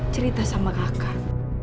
cerita sama kakak